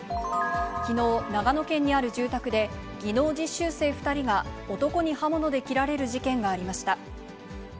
きのう、長野県にある住宅で、技能実習生２人が、男に刃物で切られる事件がありました。